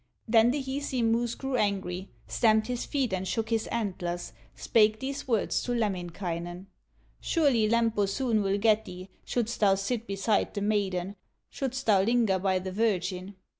Then the Hisi moose grew angry, Stamped his feet and shook his antlers, Spake these words to Lemminkainen: "Surely Lempo soon will got thee, Shouldst thou sit beside the maiden, Shouldst thou linger by the virgin."